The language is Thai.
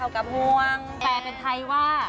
แปลเป็นไทยว่า